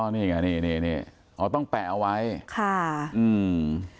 นี่ไงนี่นี่อ๋อต้องแปะเอาไว้ค่ะอืม